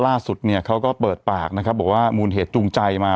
ล่าสุดเนี่ยเขาก็เปิดปากนะครับบอกว่ามูลเหตุจูงใจมา